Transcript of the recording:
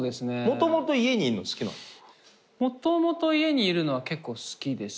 もともと家にいるのは結構好きですね。